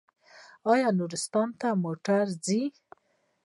آیا نورستان ته موټر ځي؟